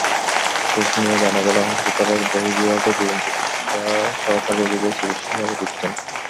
খোঁজ নিয়ে জানা গেল, হাসপাতালের বহির্বিভাগে দুজন চিকিৎসা সহকারী রোগীদের চিকিৎসাসেবা দিচ্ছেন।